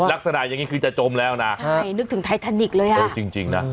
ลักษณะอย่างนี้คือจะจมแล้วนะใช่นึกถึงไททานิกเลยอ่ะเออจริงจริงนะ